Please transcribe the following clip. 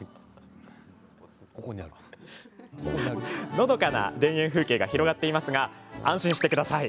のどかな田園風景が広がっていますがご安心ください。